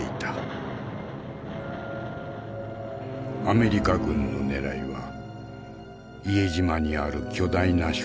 アメリカ軍のねらいは伊江島にある巨大な飛行場。